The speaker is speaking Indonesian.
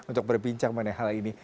untuk berbincang mengenai hal ini